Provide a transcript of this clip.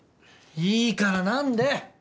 いいから何で？